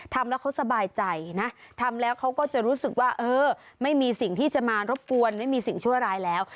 ทำแล้วเขาสบายใจนะทำแล้วเขาก็จะรู้สึกว่าเออไม่มีสิ่งที่จะมารบกวนไม่มีสิ่งชั่วร้ายแล้ว